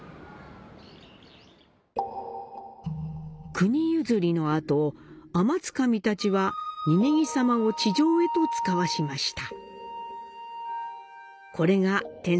国譲りのあと、天津神たちはニニギさまを地上へと遣わしました。